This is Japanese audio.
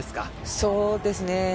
そうですね。